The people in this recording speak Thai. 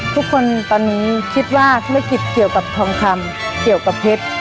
ทุกคนตอนนี้คิดว่าธุรกิจเกี่ยวกับทองคำเกี่ยวกับเพชร